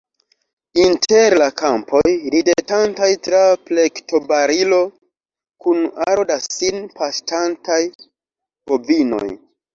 Inter la kampoj, ridetantaj tra plektobarilo, kun aro da sin paŝtantaj bovinoj.